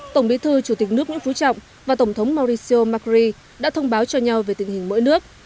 tổng bí thư chủ tịch nước nguyễn phú trọng và tổng thống mauricio macri đã thông báo cho nhau về tình hình mỗi nước